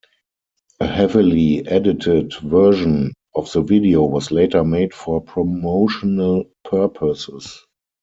A heavily edited version of the video was later made for promotional purposes.